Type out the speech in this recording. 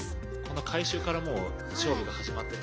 この回収からもう勝負が始まってる。